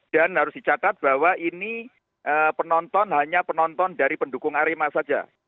dan harus dicatat bahwa ini penonton hanya penonton dari pendukung arema saja